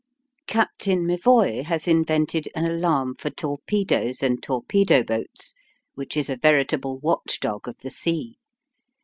Captain M'Evoy has invented an alarm for torpedoes and torpedo boats, which is a veritable watchdog of the sea.